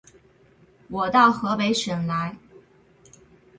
我到河北省来